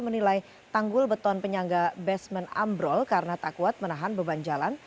menilai tanggul beton penyangga basement ambrol karena tak kuat menahan beban jalan